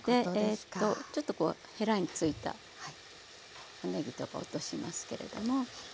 ちょっとこうヘラについたねぎとか落としますけれども。